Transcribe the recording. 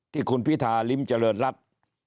ที่คุณพิธาริมเจริญรัฐ